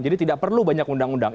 jadi tidak perlu banyak undang undang